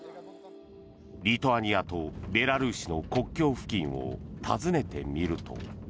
リトアニアとベラルーシの国境付近を訪ねてみると。